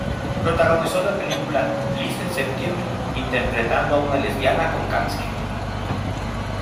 Protagonizó la película "Liz en septiembre", interpretando a una lesbiana con cáncer.